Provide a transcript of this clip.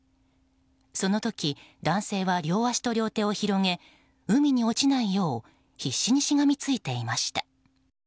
その時、男性は両足と両手を広げ海に落ちないよう必死にしがみついていました。